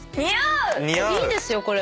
いいですよこれ。